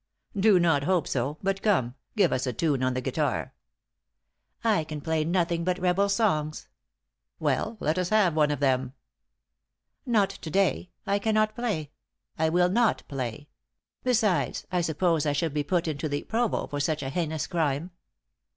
"'Do not hope so; but come, give us a tune on the guitar.' "'I can play nothing but rebel songs.' "'Well, let us have one of them.' "'Not to day I cannot play I will not play; besides, I suppose I should be put into the Provost for such a heinous crime.'